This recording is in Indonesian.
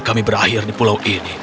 kami berakhir di pulau ini